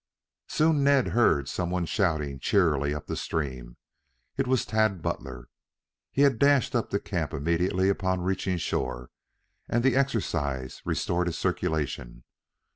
Soon Ned heard some one shouting cheerily up the stream. It was Tad Butler. He had dashed up to camp immediately upon reaching shore, and the exercise restored his circulation.